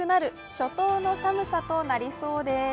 初冬の寒さとなりそうです。